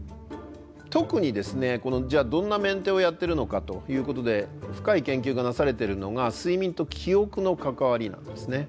じゃあどんなメンテをやってるのかということで深い研究がなされてるのが睡眠と記憶の関わりなんですね。